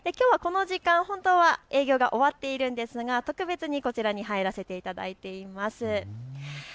きょうはこの時間、本当は営業が終わっているんですが特別にこちらに入らせていただいています。